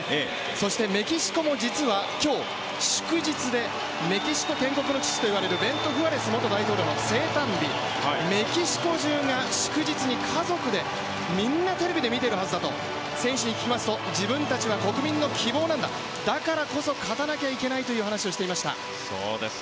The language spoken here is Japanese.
そしてメキシコも実は今日、祝日でメキシコ建国の父と言われる大統領の生誕日、メキシコ中が祝日に家族でみんなテレビで見ているはずだと選手に聞きますと自分たちは国民の希望なんだ、だからこそ勝たなきゃいけないという話をしていました。